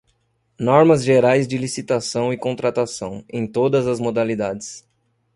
normas gerais de licitação e contratação, em todas as modalidades